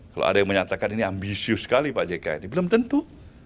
kalau ada yang menyatakan ini ambisius sekali pak jk ini belum tentu